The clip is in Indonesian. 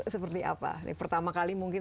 seperti apa pertama kali mungkin